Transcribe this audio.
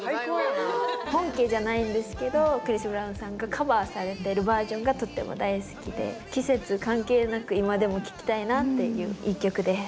本家じゃないんですけどクリス・ブラウンさんがカバーされてるバージョンがとっても大好きで季節関係なく今でも聴きたいなっていう一曲です。